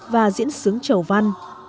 và diễn sướng châu văn